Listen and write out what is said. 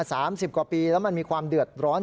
สามสิบกว่าปีแล้วมันมีความเดือดร้อน